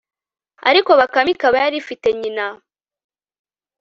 ariko bakame ikaba yari ifite nyina